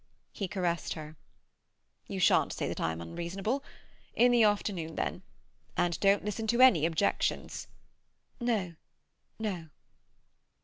He caressed her. "You shan't say that I am unreasonable. In the afternoon, then. And don't listen to any objections." "No, no."